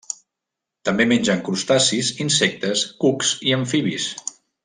També mengen crustacis, insectes, cucs i amfibis.